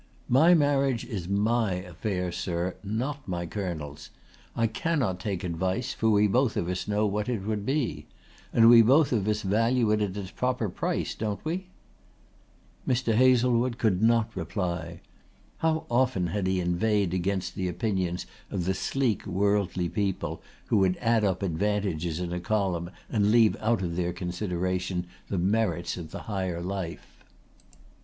"My marriage is my affair, sir, not my Colonel's. I cannot take advice, for we both of us know what it would be. And we both of us value it at its proper price, don't we?" Mr. Hazlewood could not reply. How often had he inveighed against the opinions of the sleek worldly people who would add up advantages in a column and leave out of their consideration the merits of the higher life.